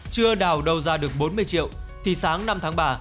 chưa đào đầu ra được bốn mươi triệu thì sáng năm tháng ba